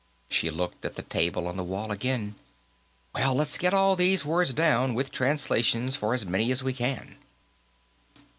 She looked at the table on the wall again. "Well, let's get all these words down, with translations for as many as we can."